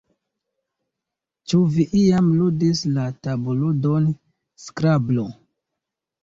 Ĉu vi iam ludis la tabulludon Skrablo?